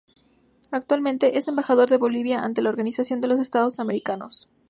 Actualmente, es Embajador de Bolivia ante la Organización de los Estados Americanos.